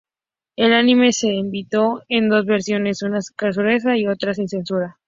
El anime se emitió en dos versiones: una censurada y otra sin censura.